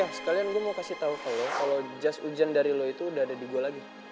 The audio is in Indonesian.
oh ya sekalian gue mau kasih tau ke lo kalau jas ujian dari lo itu udah ada di gue lagi